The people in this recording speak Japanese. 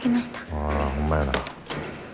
ああホンマやな。